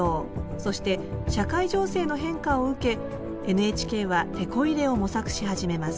そして社会情勢の変化を受けＮＨＫはてこ入れを模索し始めます